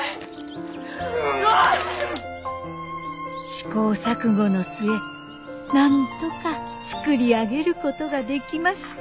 試行錯誤の末なんとか作り上げることができました。